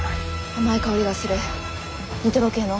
甘い香りがするニトロ系の。